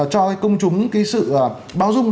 cho công chúng cái sự báo dung